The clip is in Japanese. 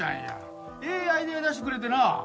ええアイデア出してくれてな。